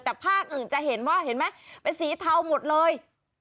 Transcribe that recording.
แต่ภาคอื่นจะเห็นว่าเห็นไหมเป็นสีเทาหมดเลย